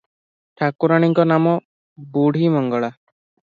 ଠାକୁରାଣୀଙ୍କ ନାମ ବୁଢ଼ୀମଙ୍ଗଳା ।